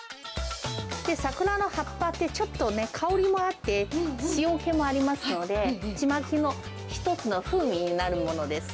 桜の葉っぱって、ちょっと香りもあって、塩気もありますので、ちまきの一つの風味になるものです。